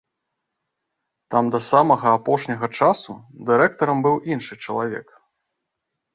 Там да самага апошняга часу дырэктарам быў іншы чалавек.